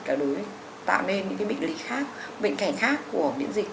đó đối với tạo nên những cái bệnh lý khác bệnh cảnh khác của miễn dịch